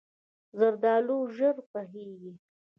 زردالو ژر پخیږي.